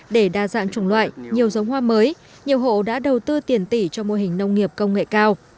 để đa dạng chủng loại nhiều giống hoa mới nhiều hộ đã đầu tư tiền tỷ cho mô hình nông nghiệp công nghệ cao